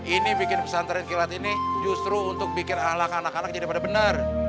ini bikin pesantren kilat ini justru untuk bikin alak anak anak jadi pada benar